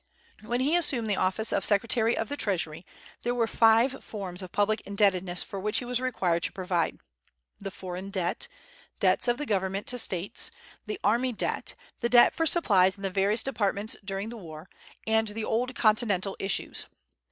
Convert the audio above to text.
When he assumed the office of Secretary of the Treasury there were five forms of public indebtedness for which he was required to provide, the foreign debt; debts of the Government to States; the army debt; the debt for supplies in the various departments during the war; and the old Continental issues.